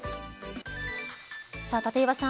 立岩さん